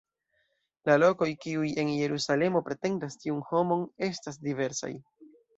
La lokoj kiuj en Jerusalemo pretendas tiun honoron estas diversaj.